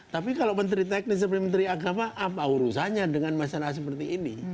tapi kalau menteri teknis seperti menteri agama apa urusannya dengan masalah seperti ini